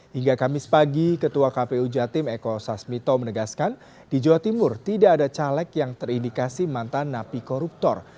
hingga kamis pagi ketua kpu jatim eko sasmito menegaskan di jawa timur tidak ada caleg yang terindikasi mantan napi koruptor